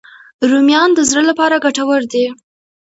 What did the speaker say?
رومیان د زړه لپاره ګټور دي